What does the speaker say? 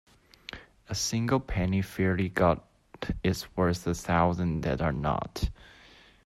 A single penny fairly got is worth a thousand that are not.